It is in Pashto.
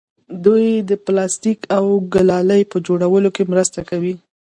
دوی د پلاستیک او ګلالي په جوړولو کې مرسته کوي.